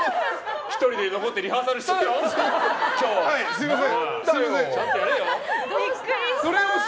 １人で残ってリハーサルしとけよ。